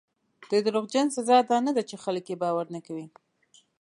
د دروغجن سزا دا نه ده چې خلک یې باور نه کوي.